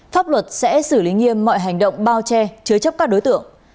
pháp luật sẽ xử lý nghiêm mọi hành động bao che chứa chấp các đối tượng